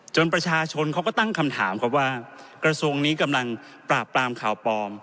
ประชาชนเขาก็ตั้งคำถามครับว่ากระทรวงนี้กำลังปราบปรามข่าวปลอม